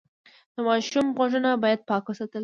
د ماشوم غوږونه باید پاک وساتل شي۔